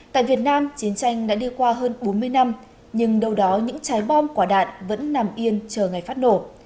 tại việt nam chiến tranh đã đi qua hơn bốn mươi năm nhưng đâu đó những trái bom quả đạn vẫn nằm yên chờ ngày phát nổ